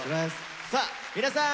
さあ皆さん